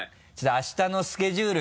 あしたのスケジュール